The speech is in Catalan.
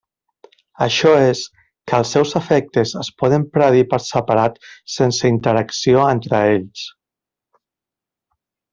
Això és, que els seus efectes es poden predir per separat sense interacció entre ells.